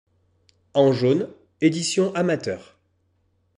En jaune: édition amateur.